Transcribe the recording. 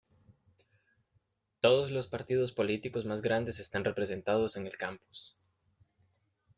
Todos los partidos políticos más grandes están representados en el campus.